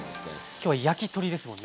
今日は焼き鳥ですもんね。